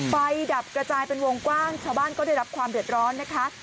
ดับกระจายเป็นวงกว้างชาวบ้านก็ได้รับความเดือดร้อนนะคะ